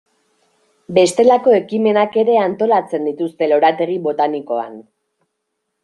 Bestelako ekimenak ere antolatzen dituzte lorategi botanikoan.